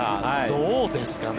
どうですかね？